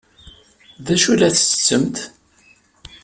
D acu ay la tettettemt?